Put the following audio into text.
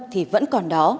thì vẫn còn đó